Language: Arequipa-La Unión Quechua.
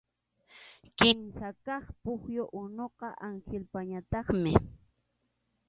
Kimsa kaq pukyu unuqa Anhilpañataqmi.